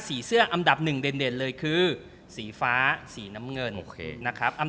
สีม่วงสีน้ำตาล